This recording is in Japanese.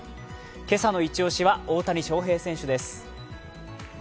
今朝のイチ押しは大谷翔平選手です。